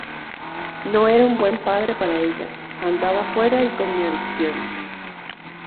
No era un buen padre para ella, andaba fuera y con mi adicción.